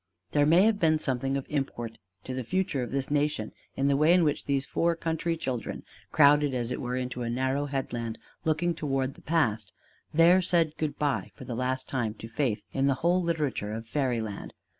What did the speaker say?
There may have been something of import to the future of this nation in the way in which these four country children, crowded as it were on a narrow headland looking toward the Past, there said good by for the last time to faith in the whole literature of Fairy Land.